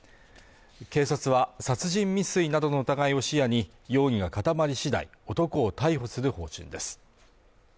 警察は殺人未遂などの疑いを視野に、容疑が固まり次第、男を逮捕する方針です。